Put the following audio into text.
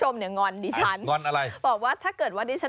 มีกลิ่นหอมกว่า